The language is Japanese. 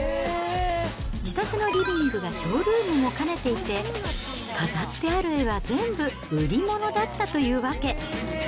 自宅のリビングがショールームも兼ねていて、飾ってある絵は全部、売り物だったというわけ。